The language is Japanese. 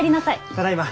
ただいま。